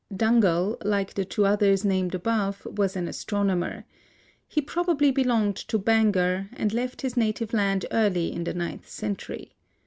Dungal, like the two others named above, was an astronomer. He probably belonged to Bangor, and left his native land early in the ninth century.